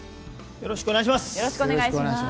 よろしくお願いします。